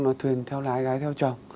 nó thuyền theo lái gái theo chồng